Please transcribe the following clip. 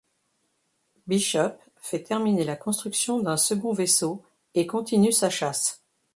Bishop fait terminer la construction d'un second vaisseau et continue sa chasse.